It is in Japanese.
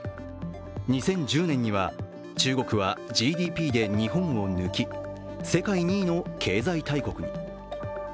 ２０１０年には中国はＧＤＰで日本を抜き世界２位の経済大国。